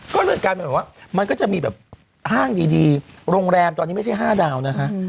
ก็เลยกลายเป็นแบบว่ามันก็จะมีแบบห้างดีโรงแรมตอนนี้ไม่ใช่๕ดาวนะคะ